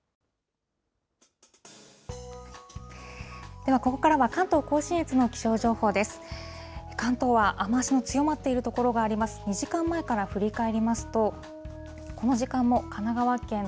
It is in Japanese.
ではここからは関東甲信越の気象情報です。